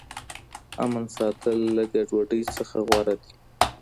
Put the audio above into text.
امن ساتل له ګډوډۍ څخه غوره دي.